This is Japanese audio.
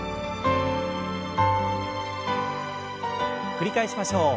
繰り返しましょう。